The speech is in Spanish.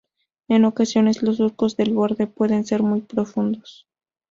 En ocasiones, los surcos del borde pueden ser muy profundos.